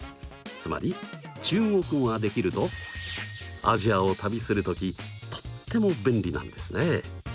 つまり中国語ができるとアジアを旅する時とっても便利なんですね！